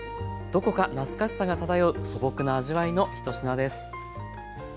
どこか懐かしさが漂う素朴な味わいの１品です。